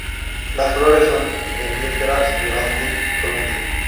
Las flores son efímeras, durando solo un día.